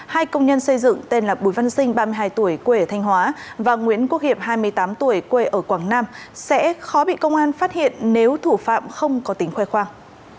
hai công nhân xây dựng tên là bùi văn sinh ba mươi hai tuổi quê ở thanh hóa và nguyễn quốc hiệp hai mươi tám tuổi quê ở quảng nam sẽ khó bị công an phát hiện nếu thủ phạm không có tính khoe khoang